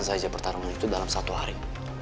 kita habiskan saja pertarungan itu dalam satu hari